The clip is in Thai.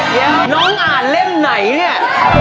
เดี๋ยวน้องอ่านเล่มไหนเนี่ย